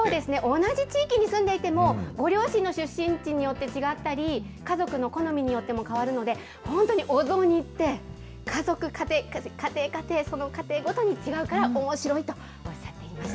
同じ地域に住んでいても、ご両親の出身地によって違ったり、家族の好みによっても変わるので、本当にお雑煮って、家族、家庭家庭、その家庭ごとに違うから、おもしろいとおっしゃっていました。